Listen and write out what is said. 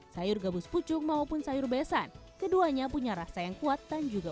sayur gabus pucung maupun sayur besan keduanya punya rasa yang kuat dan juga